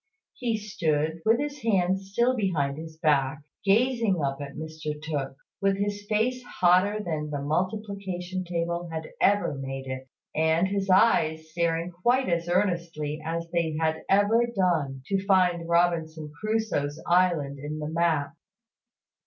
He stood, with his hands still behind his back, gazing up at Mr Tooke, with his face hotter than the multiplication table had ever made it, and his eyes staring quite as earnestly as they had ever done to find Robinson Crusoe's island in the map.